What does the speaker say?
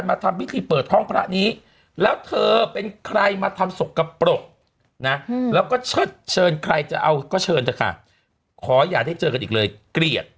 มาทำสกปรกนะแล้วก็เชิญใครจะเอาก็เชิญค่ะขออย่าได้เจอกันอีกเลยเกลียด